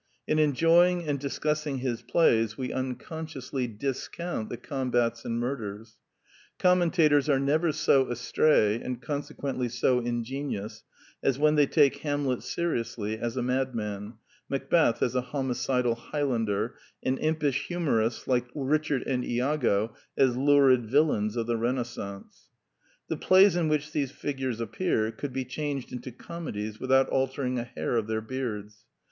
In enjoying and discussing his plays we unconsciously discount the combats and murders: commentators are never so astray (and conse quently so ingenious) as when they take Hamlet seriously as a madman, Macbeth as a homicidal Highlander, and impish humorists like Richard and lago as lurid villains of the Kenascence. The plays in which these figures appear could be changed into comedies without altering a hair of their beards.